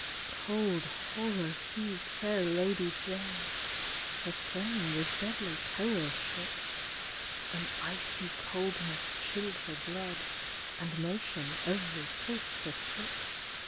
Cold horror seiz'd fair Lady Jane, Her frame with deadly terror shook ; An icy coldness chill'd her blood, And motion ev'ry pulse forsook.